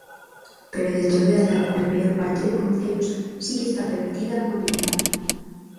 Pero dentro dela, na maior parte de concellos, si que está permitida a mobilidade.